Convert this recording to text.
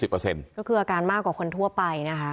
ก็คืออาการมากกว่าคนทั่วไปนะคะ